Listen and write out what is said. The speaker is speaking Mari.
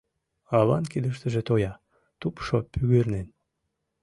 Аван кидыштыже тоя, тупшо пӱгырнен.